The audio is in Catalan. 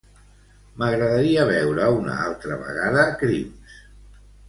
M'agradaria veure una altra vegada "Crims".